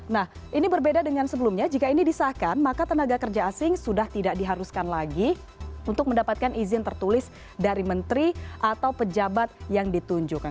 nah ini berbeda dengan sebelumnya jika ini disahkan maka tenaga kerja asing sudah tidak diharuskan lagi untuk mendapatkan izin tertulis dari menteri atau pejabat yang ditunjukkan